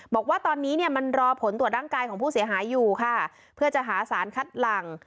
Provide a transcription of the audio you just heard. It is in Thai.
บอกว่าตอนนี้เนี่ยมันรอผลตรวจร่างกายของผู้เสียหายอยู่ค่ะเพื่อจะหาสารคัดหลัง